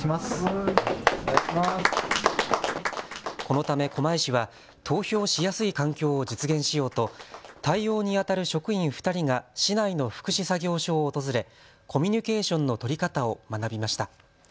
このため狛江市は投票しやすい環境を実現しようと対応にあたる職員２人が市内の福祉作業所を訪れコミニュケーションの取り方を学びました。